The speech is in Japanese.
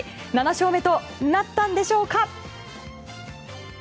７勝目となったのでしょうか。